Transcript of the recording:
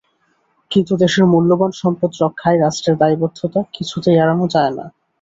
কিন্তু দেশের মূল্যবান সম্পদ রক্ষায় রাষ্ট্রের দায়বদ্ধতা কিছুতেই এড়ানো যায় না।